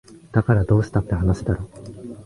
だからどうしたって話だろ